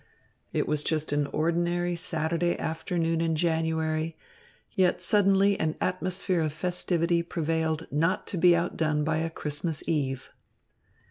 It was just an ordinary Saturday afternoon in January; yet suddenly an atmosphere of festivity prevailed not to be outdone by a Christmas eve.